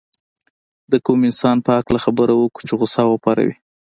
د کوم انسان په هکله خبره وکړو چې غوسه وپاروي.